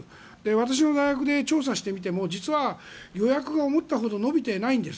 私の大学で調査してみても実は予約が思ったほど伸びていないんです。